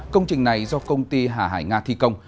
công trình này do công ty hà hải nga thi công